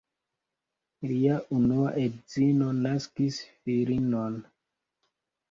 Lia unua edzino naskis filinon.